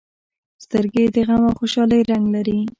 سترګې د غم او خوشالۍ رنګ لري